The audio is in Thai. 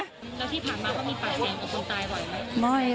แล้วที่ผ่านมาเขามีปากแดงออกต้นตายบ่อยไหม